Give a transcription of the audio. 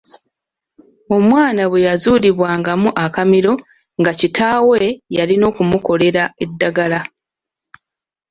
Omwana bwe yazuulibwangamu akamiro nga kitaawe yaalina okumukolera eddagala.